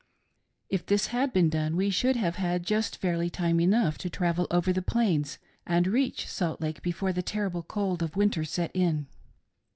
If this had been done we should have had just fairly time enough to travel over the Plains and reach Salt Lake before the terrible cold of winter set in.